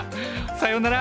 さようなら！